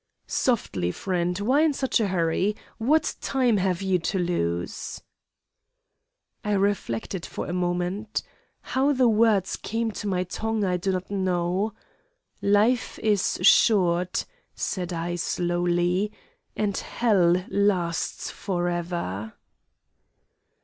"'Softly friend, why in such a hurry? What time have you to lose?' "I reflected for a moment. How the words came to my tongue I do not know. 'Life is short,' said I, slowly, 'and hell lasts for ever!